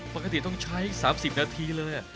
ปกติต้องใช้๓๐นาทีเลย